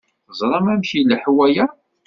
Teẓṛam amek i ileḥḥu waya?